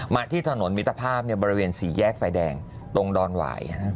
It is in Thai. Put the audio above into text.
มาที่ถนนวิทธภาพเนี่ยบริเวณสีแยกไฟแดงตรงดอนหวาย